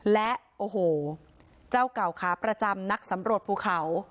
และโอ้โหเจ้าเก่าขาประจำนักสำรวจภูเขา